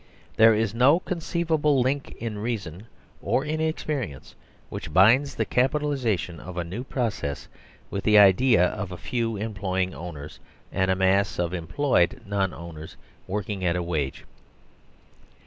There is no conceivable lin k in reason or in experience which binds the capitalisation of a new process with the idea of a few employing owners and a mass of employed non owners working at a wage.